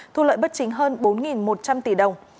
thu lợi bất chính hơn bốn một trăm linh tỷ đồng